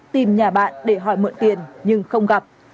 tìm nhà bạn để hỏi mượn tiền nhưng không gặp